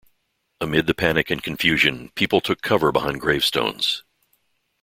Amid the panic and confusion, people took cover behind gravestones.